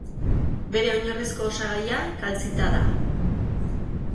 Bere oinarrizko osagaia kaltzita da.